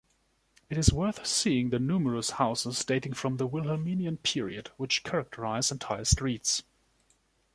It is worth seeing the numerous houses dating from the Wilhelminian period, which characterize entire streets.